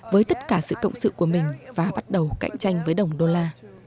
với tất cả sự cộng sự của mình và bắt đầu cạnh tranh với đồng đô la